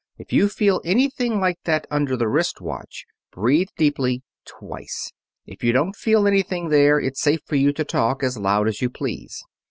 If you feel anything like that under the wrist watch, breathe deeply, twice. If you don't feel anything there, it's safe for you to talk, as loud as you please."